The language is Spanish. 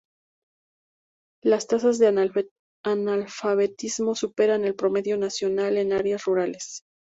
Las tasas de analfabetismo superan el promedio nacional en áreas rurales.